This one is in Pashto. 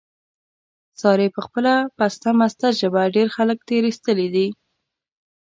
سارې په خپله پسته مسته ژبه، ډېر خلک تېر ایستلي دي.